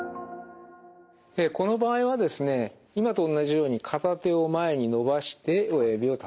この場合はですね今と同じように片手を前に伸ばして親指を立てる。